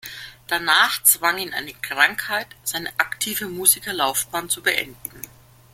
Danach zwang ihn eine Krankheit, seine aktive Musikerlaufbahn zu beenden.